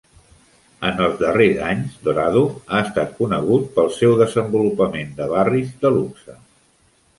En els darrers anys, Dorado ha estat conegut pel seu desenvolupament de barris de luxe.